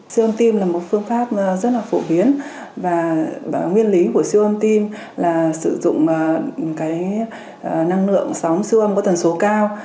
siêu âm tim là một phương pháp rất là phổ biến và nguyên lý của siêu âm tim là sử dụng cái năng lượng sóng siêu âm có tần số cao